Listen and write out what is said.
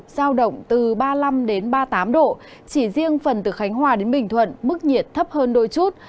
giao động từ ba mươi năm đến ba mươi tám độ chỉ riêng phần từ khánh hòa đến bình thuận mức nhiệt thấp hơn đôi chút